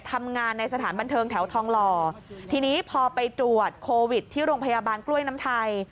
ทำงานในสถานบันเทิงแถวทองหล่อทีนี้พอไปตรวจโควิดที่โรงพยาบาลกล้วยน้ำไทย